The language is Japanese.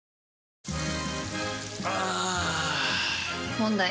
問題。